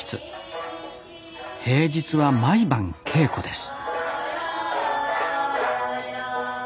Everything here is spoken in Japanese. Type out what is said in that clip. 平日は毎晩稽古です